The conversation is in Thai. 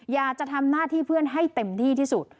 อยากจะทำหน้าที่เพื่อนให้เต็มที่ที่สุด